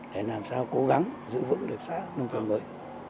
để làm sao cố gắng giữ vững được xã nông thôn mới